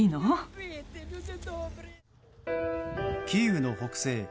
キーウの北西